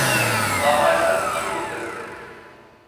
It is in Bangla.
বাবা, এসব কি বলতেছে?